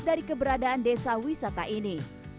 dari keberadaan desa wisata ini